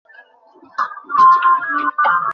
তাহলে বড় সমস্যা হয়ে যাবে।